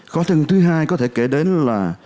khó khăn thứ hai có thể kể đến là